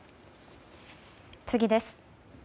次です。